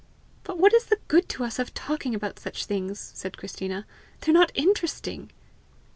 "But what is the good to us of talking about such things?" said Christina. "They're not interesting!"